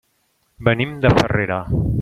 Venim de Farrera.